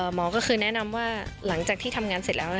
หมอก็คือแนะนำว่าหลังจากที่ทำงานเสร็จแล้ว